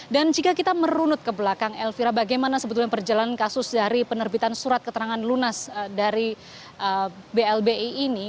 dan jika kita merunut ke belakang elvira bagaimana sebetulnya perjalanan kasus dari penerbitan surat keterangan lunas dari blbi ini